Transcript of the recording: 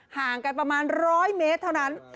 ห่างกันประมาณ๑๐๐เมตรเท่านั้น